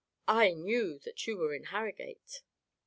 " I knew that you were in Harrogate.